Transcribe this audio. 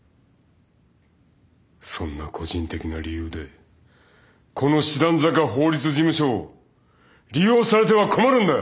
そんな個人的な理由でこの師団坂法律事務所を利用されては困るんだよ！